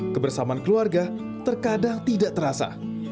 kebersamaan keluarga terkadang tidak terasa